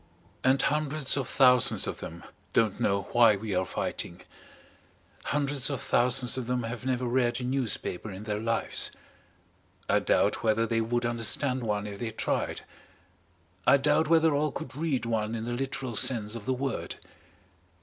And hundreds of thousands of them don't know why we are fighting. Hundreds of thousands of them have never read a newspaper in their lives. I doubt whether they would understand one if they tried, I doubt whether all could read one in the literal sense of the word.